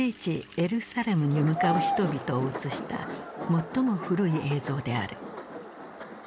エルサレムに向かう人々を写した最も古い映像である。